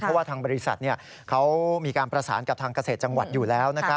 เพราะว่าทางบริษัทเขามีการประสานกับทางเกษตรจังหวัดอยู่แล้ว